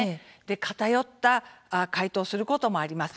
偏った回答をすることもあります。